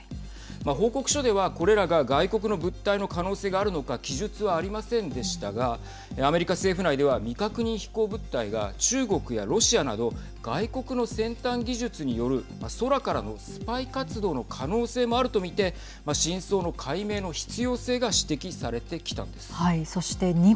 報告書では、これらが外国の物体の可能性があるのか記述はありませんでしたがアメリカ政府内では未確認飛行物体が中国やロシアなど外国の先端技術による空からのスパイ活動の可能性もあると見て真相の解明の必要性が指摘されてきたんです。